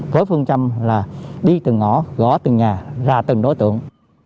với phương châm là đi từng ngõ gõ từng nhà ra từng đối tượng